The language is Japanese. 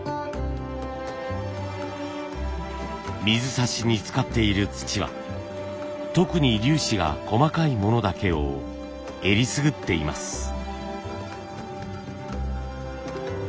水指に使っている土は特に粒子が細かいものだけをえりすぐっています。